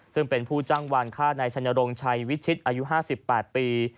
ซึ่งเป็นผู้จ้างวานฆ่านายชัยนรงชัยวิชิตอายุ๕๘ปี